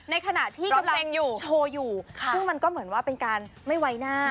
ในขณะที่กำลังอยู่โชว์อยู่ซึ่งมันก็เหมือนว่าเป็นการไม่ไว้หน้า